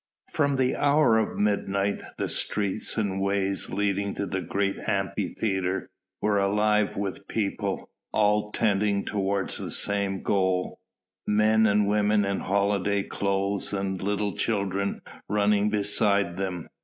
From the hour of midnight the streets and ways leading to the great Amphitheatre were alive with people, all tending toward the same goal: men and women in holiday clothes and little children running beside them.